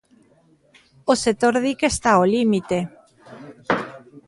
O sector di que está ao límite.